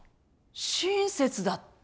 親切だった？